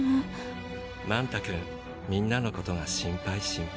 まん太くんみんなのことが心配心配。